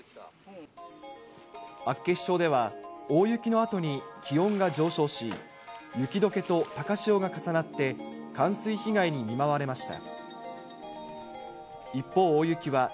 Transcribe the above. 厚岸町では、大雪のあとに気温が上昇し、雪どけと高潮が重なって冠水被害に見舞われました。